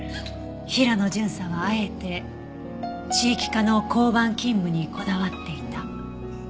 平野巡査はあえて地域課の交番勤務にこだわっていた。